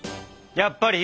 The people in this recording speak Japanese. やっぱり？